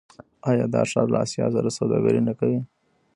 آیا دا ښار له اسیا سره سوداګري نه کوي؟